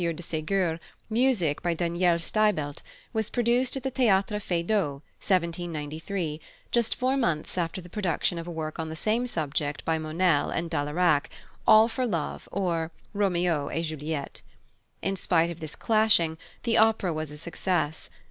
de Ségur, music by +Daniel Steibelt+, was produced at the Theatre Feydeau, 1793, just four months after the production of a work on the same subject by Monnel and Dalayrac, All for Love, or Roméo et Juliette. In spite of this clashing, the opera was a success.